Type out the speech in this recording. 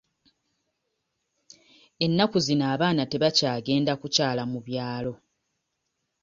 Ennaku zino abaana tebakyagenda kukyala mu byalo.